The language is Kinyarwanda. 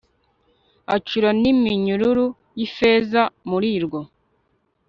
acura n iminyururu y ifeza murirwo